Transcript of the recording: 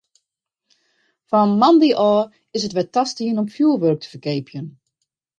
Fan moandei ôf is it wer tastien om fjurwurk te ferkeapjen.